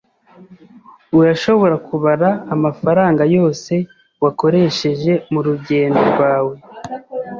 Urashobora kubara amafaranga yose wakoresheje murugendo rwawe?